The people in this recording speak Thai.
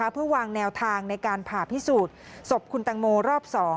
เพื่อวางแนวทางในการผ่าพิสูจน์ศพคุณตังโมรอบ๒